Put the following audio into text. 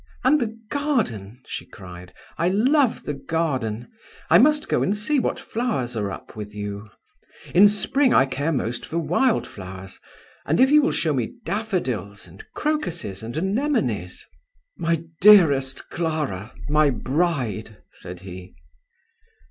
"And the garden!" she cried. "I love the garden; I must go and see what flowers are up with you. In spring I care most for wild flowers, and if you will show me daffodils and crocuses and anemones ..." "My dearest Clara! my bride!" said he.